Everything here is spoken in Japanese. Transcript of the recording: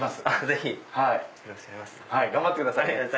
ぜひ！頑張ってください